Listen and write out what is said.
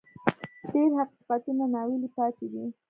ډېر حقیقتونه ناویلي پاتې دي.